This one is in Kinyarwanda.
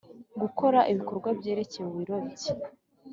gukora ibikorwa byerekeye uburobyi